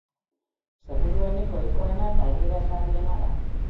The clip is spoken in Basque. Seguruenik ohikoena eta adierazgarriena da.